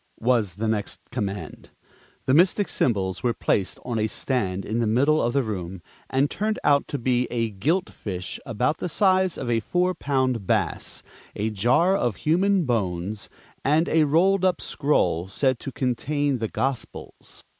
was the next command. The Mystic Symbols were placed on a stand in the middle of the room, and turned out to be a gilt fish about the size of a four pound bass, a jar of human bones, and a rolled up scroll said to contain the Gospels.